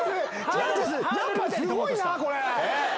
やっぱすごいなこれ。